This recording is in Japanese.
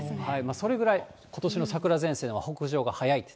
それぐらい、ことしの桜前線は北上が早い。